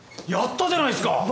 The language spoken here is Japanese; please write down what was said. やったじゃないっすか！